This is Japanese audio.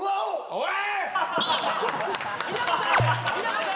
おい！